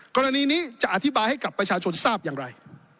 กรณีนี้จะอธิบายให้กับประชาชนทราบอย่างไร